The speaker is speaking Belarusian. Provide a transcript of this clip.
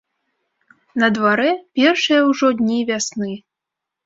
На дварэ першыя ўжо дні вясны.